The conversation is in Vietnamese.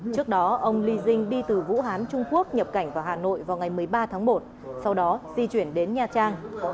trước đó ông li jing đi từ vũ hán trung quốc nhập cảnh vào hà nội vào ngày một mươi ba tháng một sau đó di chuyển đến nha trang